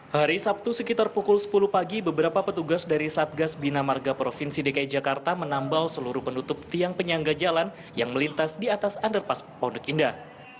hari sabtu sekitar pukul sepuluh pagi beberapa petugas dari satgas bina marga provinsi dki jakarta menambal seluruh penutup tiang penyangga jalan yang melintas di atas underpass pondok indah